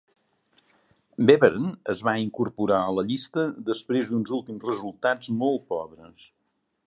Beveren es va incorporar a la llista després d'uns últims resultats molt pobres.